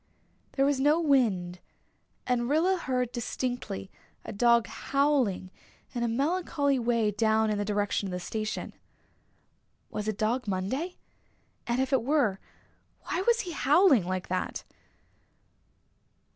There was no wind, and Rilla heard distinctly a dog howling in a melancholy way down in the direction of the station. Was it Dog Monday? And if it were, why was he howling like that?